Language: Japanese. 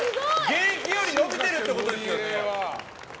現役より伸びてるってことですよ。